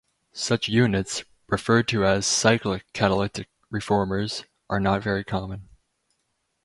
Such units, referred to as "cyclic" catalytic reformers, are not very common.